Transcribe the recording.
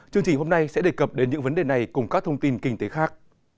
chương trình hôm nay sẽ đề cập đến những vấn đề này cùng các thông tin kinh tế khác